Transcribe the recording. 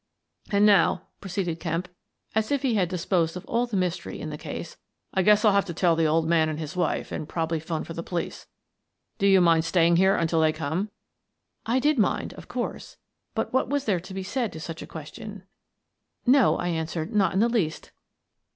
" And now," proceeded Kemp, as if he had dis posed of all the mystery in the case, " I guess I'll have to tell the old man and his wife and probably 'phone for the police. Do you mind staying here until they come?" I did mind, of course, but what was there to be said to such a question? " No," I answered, " not in the least."